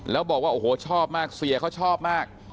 แล้วบอกว่าโอ้โหชอบมากเสียเขาชอบมาก